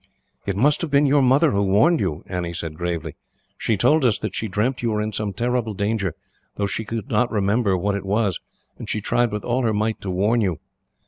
"It must have been your mother who warned you," Annie said gravely. "She told us that she dreamt you were in some terrible danger, though she could not remember what it was, and she tried with all her might to warn you."